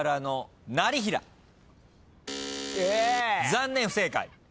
残念不正解。